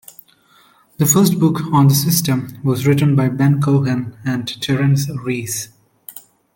The first book on the system was written by Ben Cohen and Terence Reese.